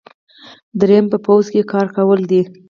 دریم په پوځ کې کار کول دي.